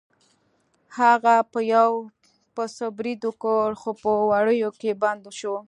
هغه په یو پسه برید وکړ خو په وړیو کې بند شو.